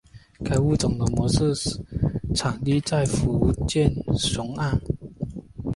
该物种的模式产地在福建崇安。